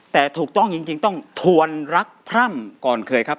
แต่ถูกต้องจริงต้องทวนรักพร่ำก่อนเคยครับ